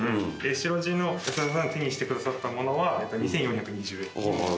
白地の安田さん手にしてくださったものは２，４２０円。